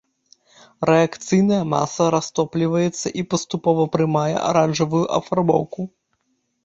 Рэакцыйная маса растопліваецца і паступова прымае аранжавую афарбоўку.